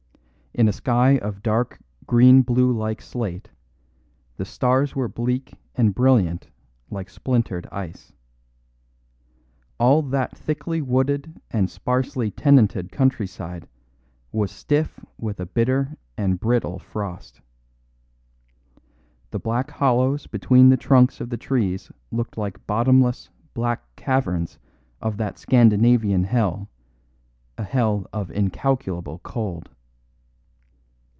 In a sky of dark green blue like slate the stars were bleak and brilliant like splintered ice. All that thickly wooded and sparsely tenanted countryside was stiff with a bitter and brittle frost. The black hollows between the trunks of the trees looked like bottomless, black caverns of that Scandinavian hell, a hell of incalculable cold.